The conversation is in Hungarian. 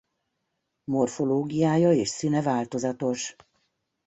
Morfológiája és színe változatos.